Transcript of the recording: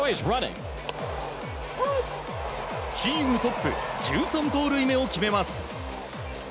チームトップ１３盗塁目を決めます。